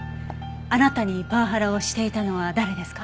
あなたにパワハラをしていたのは誰ですか？